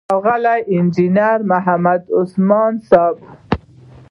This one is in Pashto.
ښاغلی انجينر محمد عثمان صيب،